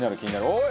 「おい！